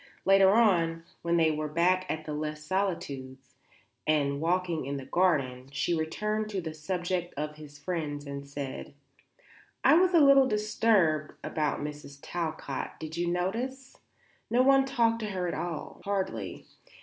Later on, when they were back at Les Solitudes and walking in the garden, she returned to the subject of his friends and said: "I was a little disturbed about Mrs. Talcott; did you notice? no one talked to her at all, hardly.